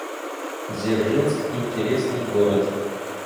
Дзержинск — интересный город